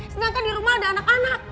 sedangkan di rumah ada anak anak